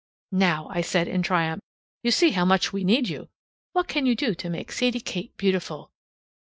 "Now," said I, in triumph, "you see how much we need you. What can you do to make Sadie Kate beautiful?"